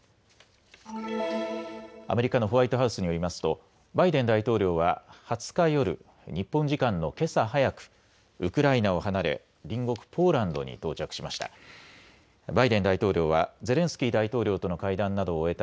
アメリカのホワイトハウスによりますとバイデン大統領は２０日夜、日本時間のけさ早く、ウクライナを離れ隣国ポーランドに到着しました。